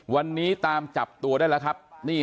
วันนี้ตามจับตัวได้แล้วครับ